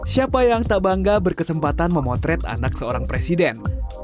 siapa yang tak bangga berkesempatan memotret anak seorang presiden